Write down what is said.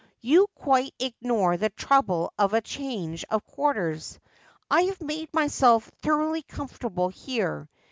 You quite ignore the trouble of a change of quarters. I have made myself thoroughly comfortable here.